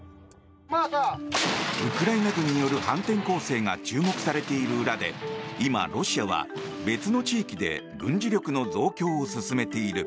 ウクライナ軍による反転攻勢が注目されている裏で今、ロシアは別の地域で軍事力の増強を進めている。